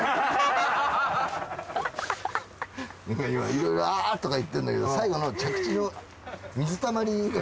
いろいろ「あっ」とか言ってるんだけど最後の着地の水たまりが。